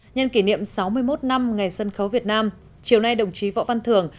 nhân kỷ niệm sáu mươi một năm ngày sân khấu việt nam chiều nay đồng chí võ văn thưởng